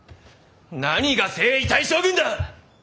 何が征夷大将軍だ！